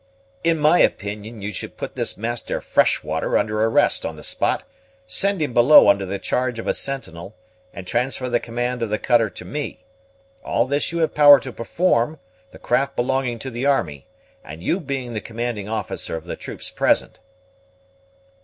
"In my opinion you should put this Master Freshwater under arrest on the spot; send him below under the charge of a sentinel, and transfer the command of the cutter to me. All this you have power to perform, the craft belonging to the army, and you being the commanding officer of the troops present."